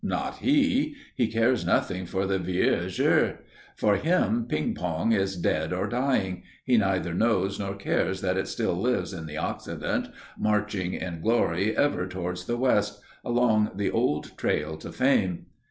Not he! He cares nothing for the vieux jeu. For him, ping pong is dead or dying he neither knows nor cares that it still lives in the Occident, marching in glory ever towards the West, along the old trail to fame.